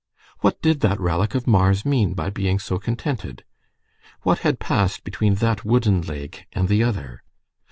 What did that relic of Mars mean by being so contented? What had passed between that wooden leg and the other?